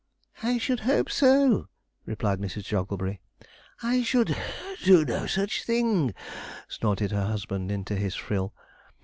'I should hope so,' replied Mrs. Jogglebury. 'I should (puff) do no such thing,' snorted her husband into his frill.